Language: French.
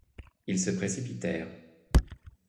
Ils se précipitèrent.